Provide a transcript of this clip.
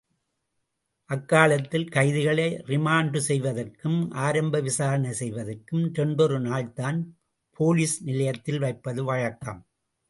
அக்காலத்தில் கைதிகளை ரிமாண்டு செய்வதற்கும் ஆரம்ப விசாரனை செய்வதற்கும் இரண்டொரு நாள்தான் போலிஸ் நிலையத்தில் வைப்பது வழக்கம்.